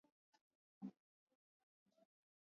mabonde na mito nilikutana na kundi dogo la